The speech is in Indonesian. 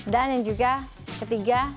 dan yang juga ketiga